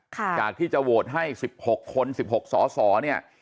จากที่จะโหวตให้๑๖คน๑๖สอสอเนี่ย